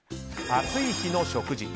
暑い日の食事。